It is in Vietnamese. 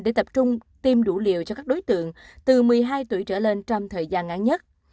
để tập trung tiêm đủ liều cho các đối tượng từ một mươi hai tuổi trở lên trong thời gian ngắn nhất